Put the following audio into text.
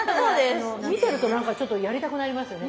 見てると何かちょっとやりたくなりますよね